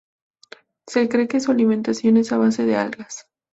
Se cree que su alimentación es a base de algas.